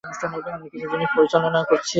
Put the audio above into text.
আমি কিছু জিনিস পরিচালনাও করেছি।